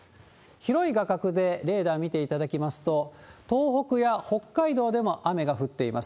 広い画角でレーダー見ていただきますと、東北や北海道でも雨が降っています。